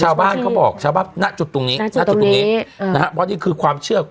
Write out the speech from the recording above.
ร่างงานเขาบอกชาวบ้านหน้าจุดตรงนี้ของนี้คือความเชื่อ